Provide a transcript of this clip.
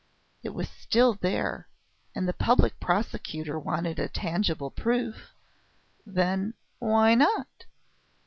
It was still there, and the Public Prosecutor wanted a tangible proof.... Then, why not....?